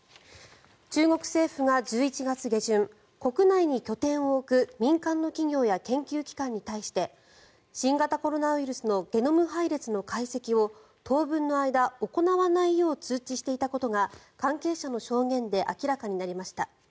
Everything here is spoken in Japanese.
中国政府が１１月下旬国内に拠点を置く民間の企業や研究機関に対して新型コロナウイルスのゲノム配列の解析を当分の間、行わないよう通知していたことが関係者の証言で明らかになりました。